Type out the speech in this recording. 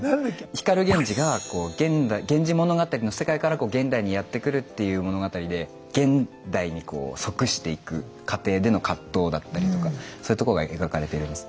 光源氏が「源氏物語」の世界から現代にやって来るっていう物語で現代に即していく過程での葛藤だったりとかそういうとこが描かれてるんです。